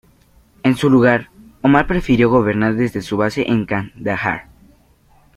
En su lugar, Omar prefirió gobernar desde su base en Kandahar.